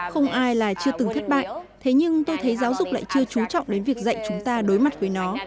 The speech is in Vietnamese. không ai là chưa từng thất bại thế nhưng tôi thấy giáo dục lại chưa trú trọng đến việc dạy chúng ta đối mặt với nó